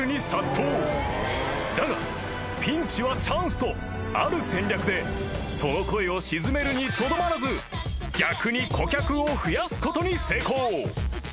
［だがピンチはチャンスとある戦略でその声をしずめるにとどまらず逆に顧客を増やすことに成功］